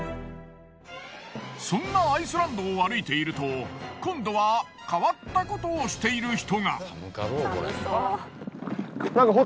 そんなアイスランドを歩いていると今度は変わったことをしている人が。